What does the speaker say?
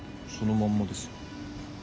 そのまんまですよ。